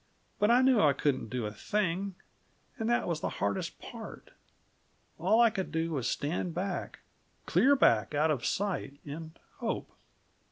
But I knew I couldn't do a thing; and that was the hardest part. All I could do was stand back clear back out of sight, and hope.